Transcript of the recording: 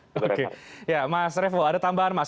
oke ya mas revo ada tambahan mas